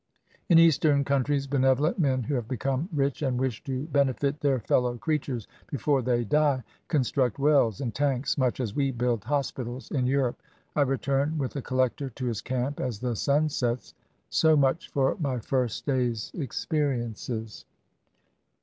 In Eastern countries, benevolent men who have become 232 CAMP LIFE IN INDIA rich and wish to benefit their fellow creatures before they die, construct wells and tanks, much as we build hospitals in Europe. I return with the collector to his camp as the sun sets. So much for my first day's experiences.